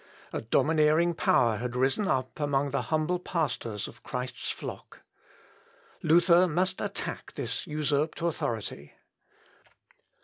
A domineering power had risen up among the humble pastors of Christ's flock. Luther must attack this usurped authority.